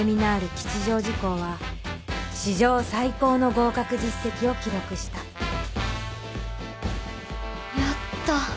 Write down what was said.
吉祥寺校は史上最高の合格実績を記録したやった。